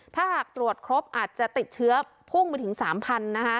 ถ้าหากตรวจครบอาจจะติดเชื้อพุ่งไปถึง๓๐๐นะคะ